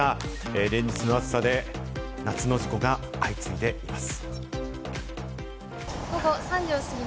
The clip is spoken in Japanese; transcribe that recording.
連日の暑さで夏の事故が相次いでいます。